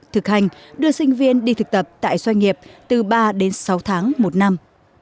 thực hành đưa sinh viên đi thực tập tại doanh nghiệp từ ba đến sáu tháng một năm